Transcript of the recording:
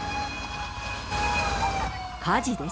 火事です。